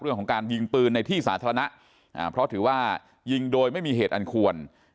เรื่องของการยิงปืนในที่สาธารณะเพราะถือว่ายิงโดยไม่มีเหตุอันควร